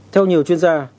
theo nhiều chuyên gia